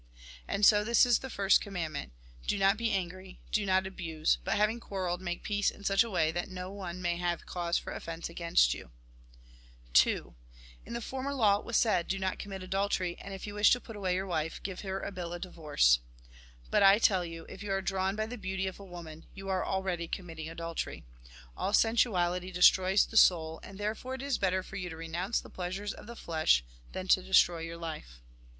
And so this is the first commandment : Do not be angry, do not abuse ; but having quarrelled, make peace in such a way that no one may have cause for offence against you. 52 THE GOSPEL IN BRIEF II. In the former law it was said :" Do not commit adultery ; and if you wish to put away your wife, give her a bill of divorce." But I tell you, if you are drawn by the beauty of a woman, you are already committing adultery. All sensuality destroys the soul, and therefore it is better for you to renounce the pleasure of the flesh than to destroy your life.